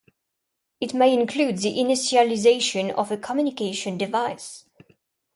It may include the initialization of a communication device.